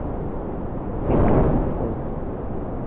একটু আনন্দ করো।